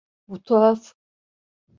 Bu tuhaf.